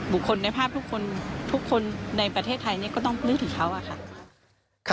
คนในภาพทุกคนทุกคนในประเทศไทยนี่ก็ต้องนึกถึงเขาอะค่ะ